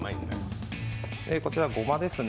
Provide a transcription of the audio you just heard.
こちら、ごまですね